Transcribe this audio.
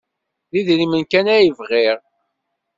D idrimen kan ay bɣiɣ.